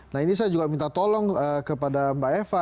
nah ini saya juga minta tolong kepada mbak eva